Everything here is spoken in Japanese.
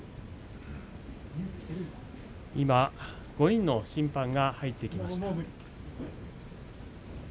今、５人の審判が入ってきました。